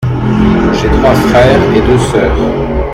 J’ai trois frères et deux sœurs.